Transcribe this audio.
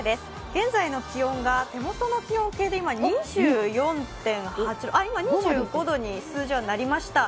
現在の気温が手元の気温計で今２４．８度、今２５度に数字はなりました。